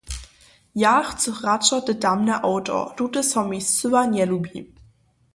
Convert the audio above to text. Ja chcych radšo te tamne awto, tute so mi scyła njelubi.